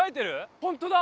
ホントだ。